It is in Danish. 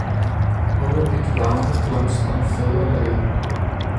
Oh mit varme, blomstrende fædreneland!